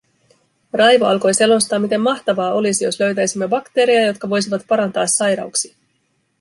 Raivo alkoi selostaa, miten mahtavaa olisi, jos löytäisimme bakteereja, jotka voisivat parantaa sairauksia.